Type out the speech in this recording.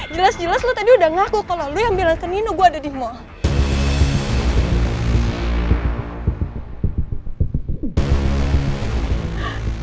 jelas jelas lo tadi udah ngaku kalau lo yang bilang aku ninuh gue ada di mall